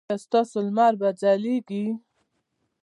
ایا ستاسو لمر به ځلیږي؟